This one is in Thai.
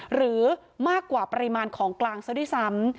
หรือมากกว่าปริมาณของกลางซะด้วยซ้ำ